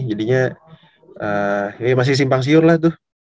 jadinya ya masih simpang siur lah tuh